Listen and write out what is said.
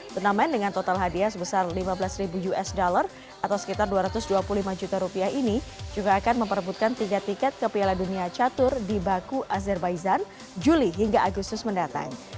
turnamen dengan total hadiah sebesar lima belas ribu usd atau sekitar dua ratus dua puluh lima juta rupiah ini juga akan memperebutkan tiga tiket ke piala dunia catur di baku azerbaizan juli hingga agustus mendatang